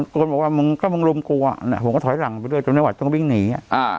คนบอกว่ามึงก็มึงรุมกลัวผมก็ถอยหลังไปด้วยจนไม่ไหวต้องวิ่งหนี